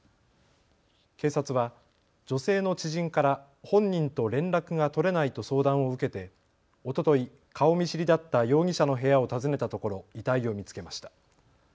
警察は女性の知人から本人と連絡が取れないと相談を受けておととい顔見知りだった容疑者の部屋を訪ねたところ遺体を見つけました。